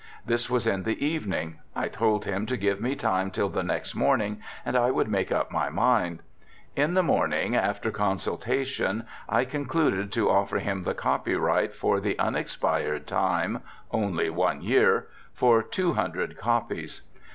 This was in the evening. I told him to give me time till the next morning, and I would make up my mind. In the morning, after consultation, I con cluded to offer him the copyright for the unexpired time (only one year) for two hundred copies.